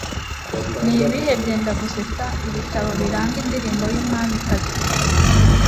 Nibihe Byendagusetsa Ibitabo Biranga Indirimbo Yumwamikazi